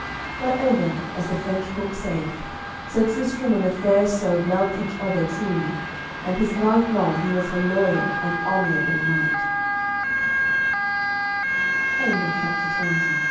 But ever, as the French book saith, Sir Tristram and the Fair Isoud loved each other truly, and his life long he was her loyal and honourable knight. Lievest: dearest.